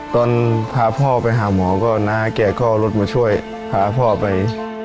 ตอนพาพ่อไปหาหมอก็น้าแกก็เอารถมาช่วยพาพ่อไป